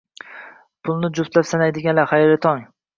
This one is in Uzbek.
Pulni juftlab sanaydiganlar, xayrli tong!